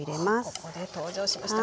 ここで登場しましたきゅうり。